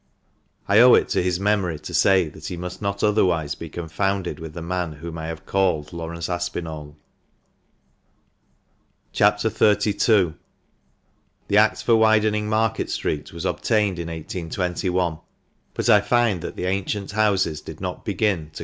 I owe it to his memory to say that he must not otherwise be confounded with the man whom I have called Laurence Aspinall. APPENDIX I. 463 CHAP. XXXII. — The Act for widening Market Street was obtained in 1821 ; but I find that the ancient houses did not begin to l!